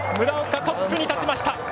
村岡、トップに立ちました。